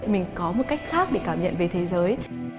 mình có một cách khác để cảm nhận về thế giới